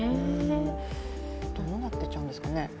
どうなっていっちゃうんですかね？